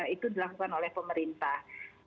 itu dilakukan oleh pemerintah